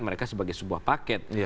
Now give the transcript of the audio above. mereka sebagai sebuah paket